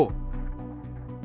karena ada peristiwa fs